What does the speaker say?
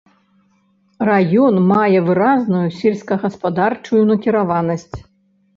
Раён мае выразную сельскагаспадарчую накіраванасць.